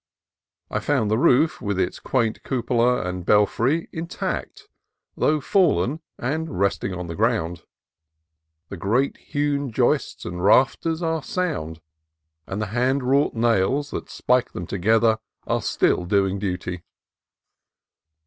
I found the roof, with its quaint cupola and belfry, intact, though fallen and resting on the ground. The great hewn joists and rafters are sound, and the hand wrought nails that spike them together are still doing duty.